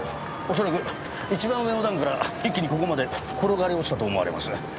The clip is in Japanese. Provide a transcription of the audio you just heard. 恐らく一番上の段から一気にここまで転がり落ちたと思われます。